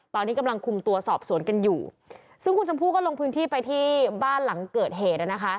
ตอนนี้กำลังคุมตัวสอบสวนกันอยู่ซึ่งคุณชมพู่ก็ลงพื้นที่ไปที่บ้านหลังเกิดเหตุ